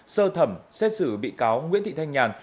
sơ thẩm xét xử bị cáo nguyễn thị thanh nhàn